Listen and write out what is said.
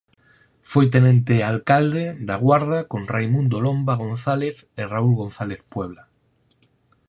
Foi Tenente Alcalde da Guarda con Raimundo Lomba González e Raúl González Puebla.